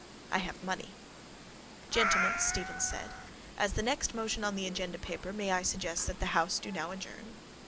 I have money. —Gentlemen, Stephen said. As the next motion on the agenda paper may I suggest that the house do now adjourn?